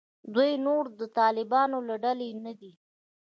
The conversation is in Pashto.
دوی نور د طالبانو له ډلې نه دي.